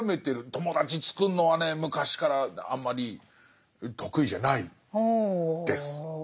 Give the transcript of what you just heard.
友達つくるのはね昔からあんまり得意じゃないです。